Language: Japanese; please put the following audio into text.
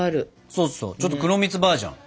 そうそうちょっと黒蜜バージョン。